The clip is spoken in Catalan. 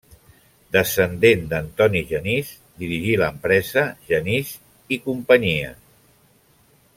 Descendent d'Antoni Genís, dirigí l'empresa Genís i Cia.